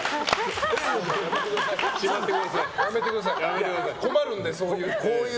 やめてください。